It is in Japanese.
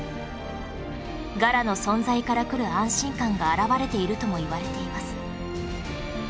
ガラの存在からくる安心感が表れているともいわれています